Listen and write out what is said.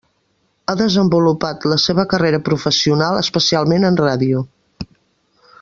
Ha desenvolupat la seva carrera professional especialment en ràdio.